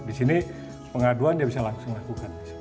di sini pengaduan dia bisa langsung lakukan